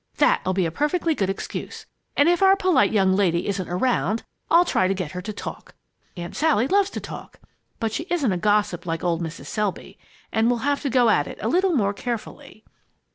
That'll be a perfectly good excuse. And if our polite young lady isn't around, I'll try and get her to talk. Aunt Sally loves to talk, but she isn't a gossip like old Mrs. Selby, and we'll have to go at it a little more carefully."